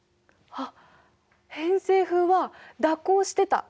偏西風は蛇行してた！